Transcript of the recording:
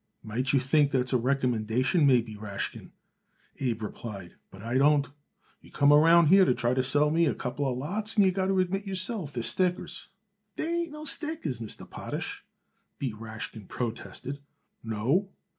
"Might you think that's a recommendation, maybe, Rashkin," Abe replied, "but I don't. You come around here to try to sell it me a couple of lots, and you got to admit yourself they're stickers." "They ain't stickers, Mr. Potash," B. Rashkin protested. "No?"